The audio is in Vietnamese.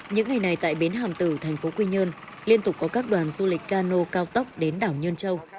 những ngày này tại bến hàm tử thành phố quy nhơn liên tục có các đoàn du lịch cano cao tốc đến đảo nhơn châu